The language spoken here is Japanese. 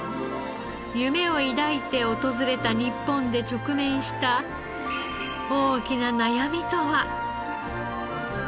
夢を抱いて訪れた日本で直面した大きな悩みとは？